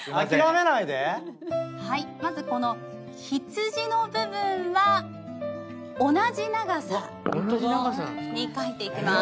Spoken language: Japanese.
まずこの「羊」の部分は同じ長さに書いていきます。